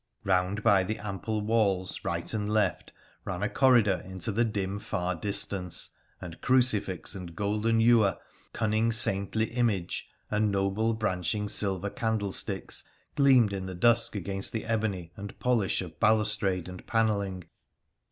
Eound by the ample walls right and left ran a corridor into the dim far distance ; and crucifix and golden ewer, cunning saintly image, and noble branching silver candlesticks, gleamed in the dusk against the ebony and polish of balustrade and panelling.